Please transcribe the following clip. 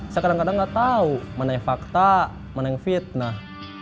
saya kadang kadang gak tahu mana yang fakta mana yang fitnah